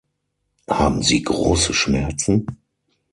Haben Sie grosse Schmerzen?